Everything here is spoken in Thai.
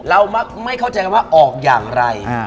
เราไม่เข้าใจกันว่าออกอย่างไร